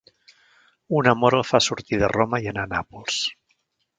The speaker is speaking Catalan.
Un amor el fa sortir de Roma i anar a Nàpols.